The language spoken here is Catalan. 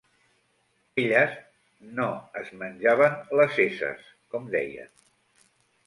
Elles no "es menjaven les esses", com deien.